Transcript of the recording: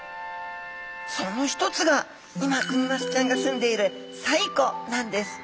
その一つが今クニマスちゃんがすんでいる西湖なんです！